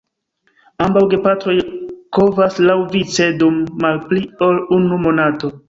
Ambaŭ gepatroj kovas laŭvice dum malpli ol unu monato.